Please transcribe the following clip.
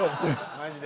マジで。